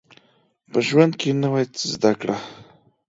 په ژوند کي نوی څه زده کړئ